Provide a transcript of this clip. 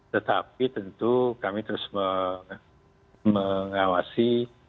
tetapi tentu kami terus mengawasi